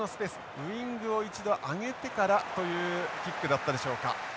ウイングを一度上げてからというキックだったでしょうか。